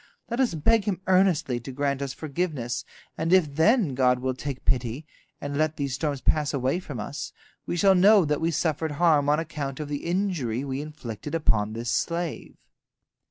Let us beg him earnestly to grant us forgiveness, and if then God will take pity, and let these storms pass away from us, we shall know that we suffered harm on account of the injury we inflicted upon this slave."